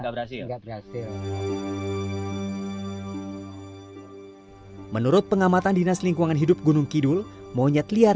nggak berhasil enggak berhasil menurut pengamatan dinas lingkungan hidup gunung kidul monyet liar